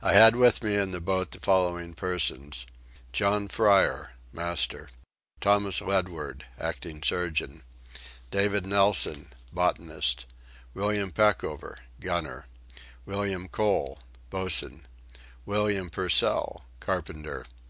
I had with me in the boat the following persons: John Fryer: Master. Thomas Ledward: Acting Surgeon. David Nelson: Botanist. William Peckover: Gunner. William Cole: Boatswain. William Purcell: Carpenter.